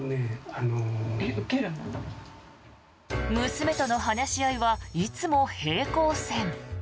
娘との話し合いはいつも平行線。